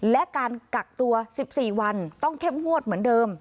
และการกักตัว๑๔วันต้องเข้มงวดเหมือนเดิม